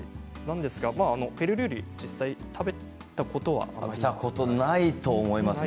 ペルー料理を実際食べたことは？ないと思いますね。